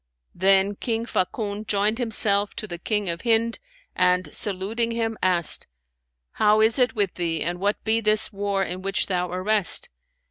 Then King Fakun joined himself to the King of Hind and saluting him, asked, 'How is it with thee, and what be this war in which thou arrest?'